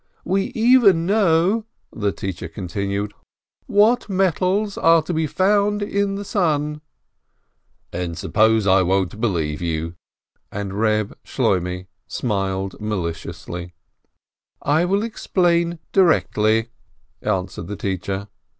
"We even know," the teacher continued, "what metals are to be found in the sun." "And suppose I won't believe you?" and Eeb Shloi meh smiled maliciously. "I will explain directly," answered the teacher.